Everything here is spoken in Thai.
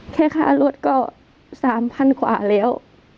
แค่ค่ารวดก็สามพันกว่าแล้ว